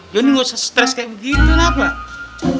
johnny gak usah stres kayak gitu nak pak